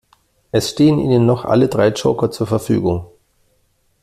Es stehen Ihnen noch alle drei Joker zur Verfügung.